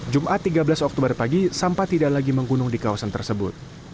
jumat tiga belas oktober pagi sampah tidak lagi menggunung di kawasan tersebut